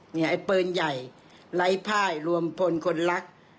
เนี่ยไอ้เปิญใหญ่ไร้พ่ายรวมพลคนรัก